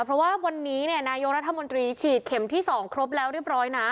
เพราะว่าวันนี้นายกรัฐมนตรีฉีดเข็มที่๒ครบแล้วเรียบร้อยนะ